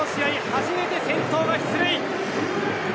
初めて先頭が出塁。